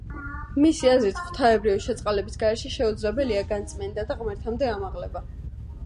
მისი აზრით, ღვთაებრივი შეწყალების გარეშე შეუძლებელია განწმენდა და ღმერთამდე ამაღლება.